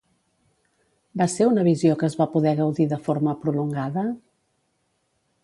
Va ser una visió que es va poder gaudir de forma prolongada?